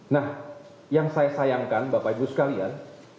nah yang saya sayangkan bapak ibu sekalian